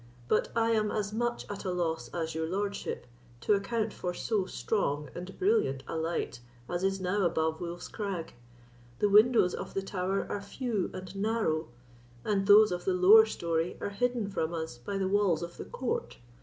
But I am as much at a loss as your lordship to account for so strong and brilliant a light as is now above Wolf's Crag; the windows of the Tower are few and narrow, and those of the lower story are hidden from us by the walls of the court.